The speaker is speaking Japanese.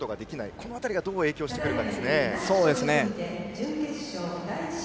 この辺りが、どう影響するか。